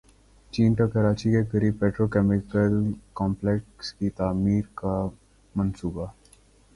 چین کا کراچی کے قریب پیٹرو کیمیکل کمپلیکس کی تعمیر کا منصوبہ